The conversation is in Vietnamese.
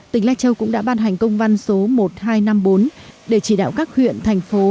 tỉnh lai châu cũng đã ban hành công văn số một nghìn hai trăm năm mươi bốn để chỉ đạo các huyện thành phố